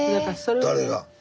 誰が？